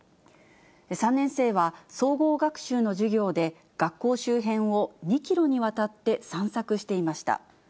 ３年生は、総合学習の授業で、学校周辺を２キロにわたって散策していました。